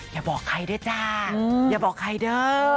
อย่าบอกใครด้วยจ้าอย่าบอกใครเด้อ